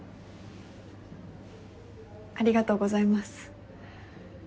ありがとうございます。